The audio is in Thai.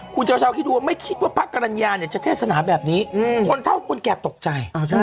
คุณชาวคิดดูว่าไม่คิดว่าพระกรรณญาเนี่ยจะเทศนาแบบนี้คนเท่าคนแก่ตกใจ